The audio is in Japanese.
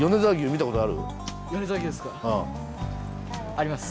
あります。